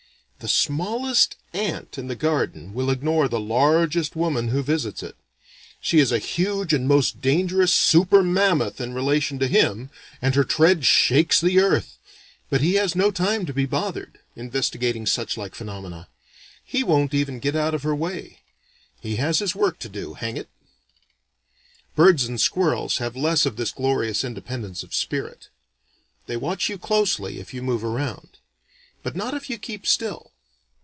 The smallest ant in the garden will ignore the largest woman who visits it. She is a huge and most dangerous super mammoth in relation to him, and her tread shakes the earth; but he has no time to be bothered, investigating such like phenomena. He won't even get out of her way. He has his work to do, hang it. Birds and squirrels have less of this glorious independence of spirit. They watch you closely if you move around. But not if you keep still.